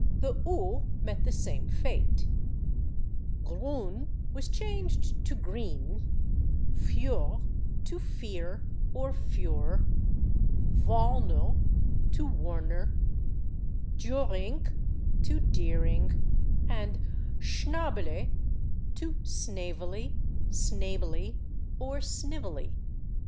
The /ü/ met the same fate: /Grün/ was changed to /Green/, /Führ/ to /Fear/ or /Fuhr/, /Wärner/ to /Warner/, /Düring/ to /Deering/, and /Schnäbele/ to /Snavely/, /Snabely/ or /Snively